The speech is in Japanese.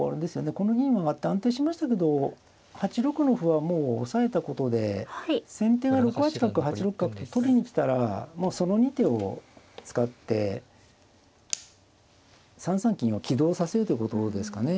この銀を上がって安定しましたけど８六の歩はもう押さえたことで先手が６八角８六角と取りに来たらもうその２手を使って３三金を起動させるということですかね。